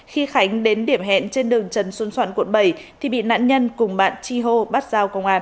khi khánh đến điểm hẹn trên đường trần xuân soạn quận bảy thì bị nạn nhân cùng bạn chi hô bắt giao công an